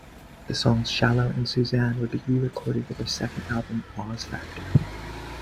The songs "Shallow" and "Suzanne" would be re-recorded for their second album "Oz Factor".